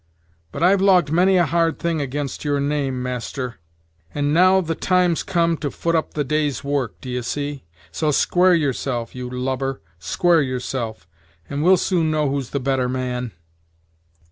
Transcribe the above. But I've logged many a hard thing against your name, master, and now the time's come to foot up the day's work, d'ye see; so square yourself, you lubber, square yourself, and we'll soon know who's the better man."